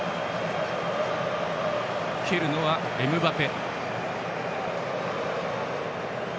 蹴るのはエムバペ。